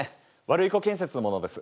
ワルイコ建設の者です。